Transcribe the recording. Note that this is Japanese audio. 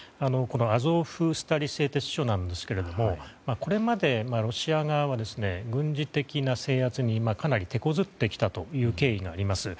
アゾフスタリ製鉄所ですがこれまでロシア側は軍事的な制圧にかなりてこずってきたという経緯があります。